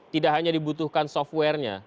tidak hanya dibutuhkan software nya